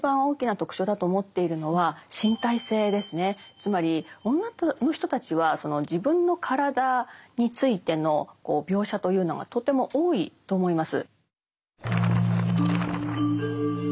つまり女の人たちはその自分の体についての描写というのがとても多いと思います。